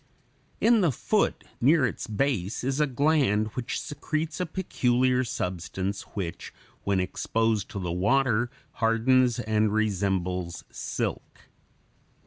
In the foot, near its base, is a gland which secretes a peculiar substance, which when exposed to the water hardens and resembles silk.